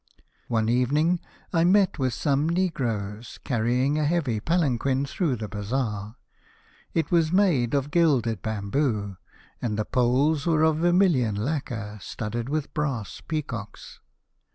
" One evening I met some negroes carrying a heavy palanquin through the bazaar. It was made of gilded bamboo, and the poles were of vermilion lacquer studded with brass peacocks.